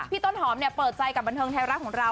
พี่ต้นหอมเนี้ยเปิดใจกับบรรเทิงแทยรัคของเรา